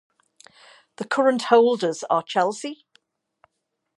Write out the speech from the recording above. The current holders are Chelsea.